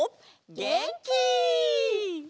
げんき！